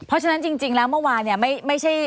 เพราะฉะนั้นจริงแล้วเมื่อวานเนี่ยไม่ใช่